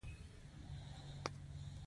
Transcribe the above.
د ملي پیوستون پروګرام څه شو؟